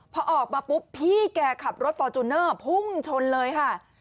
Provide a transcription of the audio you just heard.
พอออกมาปุ๊บพี่แกขับรถฟอร์จูเนอร์พุ่งชนเลยค่ะ